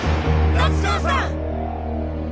夏川さん